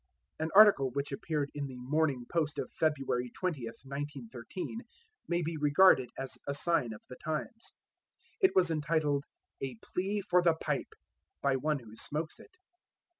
An article which appeared in the Morning Post of February 20, 1913, may be regarded as a sign of the times. It was entitled "A Plea for the Pipe: By one who Smokes it."